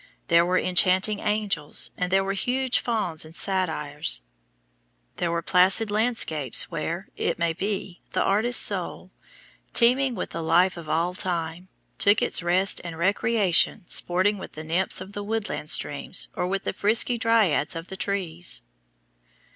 There were enchanting angels, and there were huge fauns and satyrs. There were placid landscapes where, it may be, the artist's soul, teeming with the life of all time, took its rest and recreation sporting with the nymphs of the woodland streams or with the frisky dryads of the trees.